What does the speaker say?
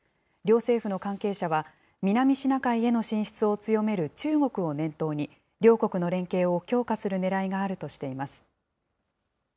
両政府の関係者は、南シナ海への進出を強める中国を念頭に、両国の連携を強化するねらいがあるとしています。